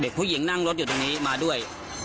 ผู้หญิงนั่งรถอยู่ตรงนี้มาด้วย